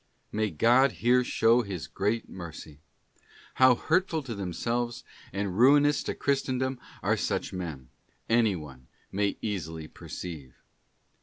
May God here show His great mercy! How hurtful to themselves, and ruinous to Christendom are such men, any one may easily perceive.